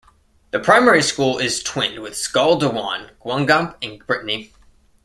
The primary school is twinned with Skol Diwan, Guingamp in Brittany.